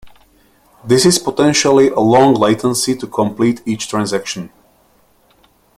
This is potentially a long latency to complete each transaction.